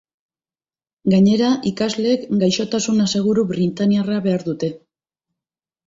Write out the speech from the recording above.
Gainera, ikasleek gaixotasun aseguru britainiarra behar dute.